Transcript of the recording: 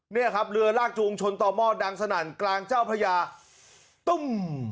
เนี่ยครับเรือลากจูงชนต่อหม้อดังสนั่นกลางเจ้าพระยาตุ้ม